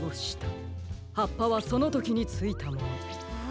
はっぱはそのときについたもの。